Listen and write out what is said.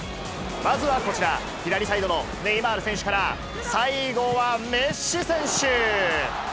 まずはこちら、左サイドのネイマール選手から、最後はメッシ選手。